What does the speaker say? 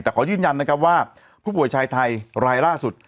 แต่ขอยืนยันนะครับว่าผู้ป่วยชายไทยรายล่าสุด